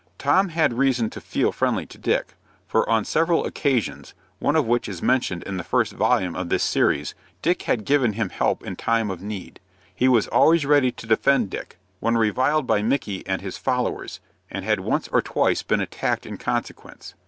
Tom had reason to feel friendly to Dick, for on several occasions, one of which is mentioned in the first volume of this series, Dick had given him help in time of need. He was always ready to defend Dick, when reviled by Micky and his followers, and had once or twice been attacked in consequence.